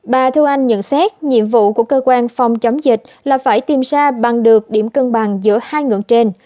bà thu anh nhận xét nhiệm vụ của cơ quan phòng chống dịch là phải tìm ra bằng được điểm cân bằng giữa hai ngưỡng trên